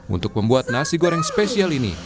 untuk membuat nasi goreng spesial ini